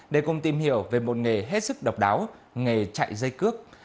để cùng tìm hiểu về một nghề hết sức độc đáo nghề chạy dây cước